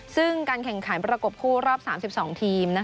ซึ่งการแข่งขันประกบคู่รอบ๓๒ทีม